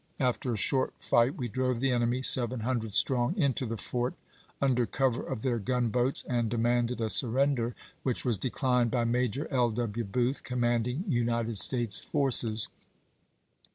After a short fight we drove the enemy, seven hundred strong, into the fort under cover of their gunboats, and demanded a surrender, which was declined by Major L. W. Booth, commanding United States forces.